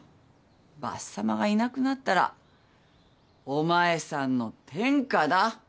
ばっさまがいなくなったらお前さんの天下だ。